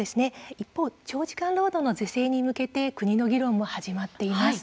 一方、長時間労働の是正に向けて国の議論も始まっています。